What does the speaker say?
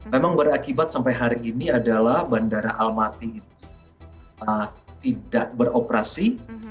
memang berakibat sampai hari ini adalah bandara almaty itu tidak beroperasi